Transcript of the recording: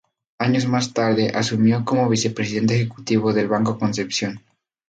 Años más tarde, asumió como vicepresidente ejecutivo del Banco Concepción.